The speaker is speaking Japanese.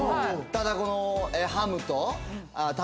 ただこの。